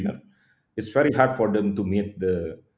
sangat sukar untuk mereka